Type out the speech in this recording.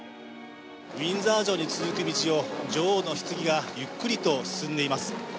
ウィンザー城に続く道を女王のひつぎがゆっくりと進んでいます。